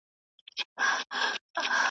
که په ریشتیا وای د شنو زمریو .